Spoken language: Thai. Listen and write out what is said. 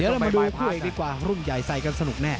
ถึงจะมาดูขึ้นอีกดีกว่าขว์รุ่นใหญ่ใส่ก็สนุกแน่